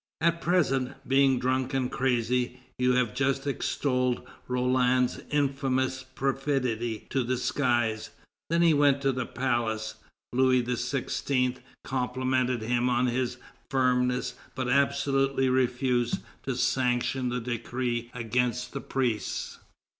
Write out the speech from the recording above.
At present, being drunk and crazy, you have just extolled Roland's infamous perfidy to the skies." Then he went to the palace. Louis XVI. complimented him on his firmness, but absolutely refused to sanction the decree against the priests.